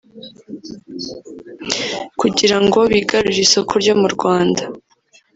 kugirango bigarurire isoko ryo mu Rwanda